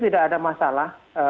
tidak ada masalah